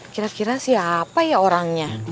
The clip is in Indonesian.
kira kira siapa ya orangnya